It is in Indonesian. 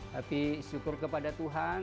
tapi syukur kepada tuhan